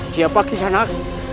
siapa kisah nak